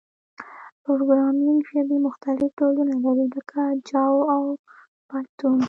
پروګرامینګ ژبي مختلف ډولونه لري، لکه جاوا او پایتون.